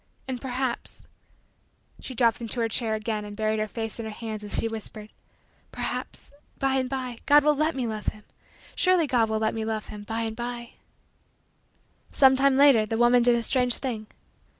And perhaps " she dropped into her chair again and buried her face in her hands as she whispered "perhaps, bye and bye, God will let me love him. Surely, God will let me love him, bye and bye." Sometime later, the woman did a strange thing.